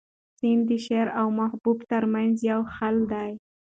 سیند د شاعر او محبوب تر منځ یو حایل دی.